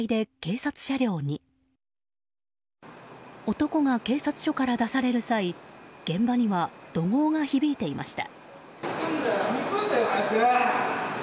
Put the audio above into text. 男が警察署から出される際現場には怒号が響いていました。